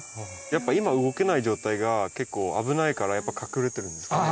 やっぱ今動けない状態が結構危ないからやっぱ隠れてるんですかね。